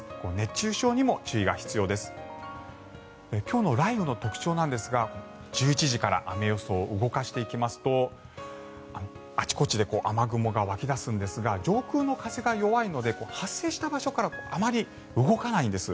今日の雷雨の特徴なんですが１１時から雨予想、動かしていきますとあちこちで雨雲が湧き出すんですが上空の風が弱いので発生した場所からあまり動かないんです。